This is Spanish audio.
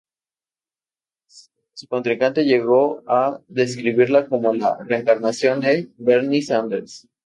Su contrincante llegó a describirla como la reencarnación de Bernie Sanders.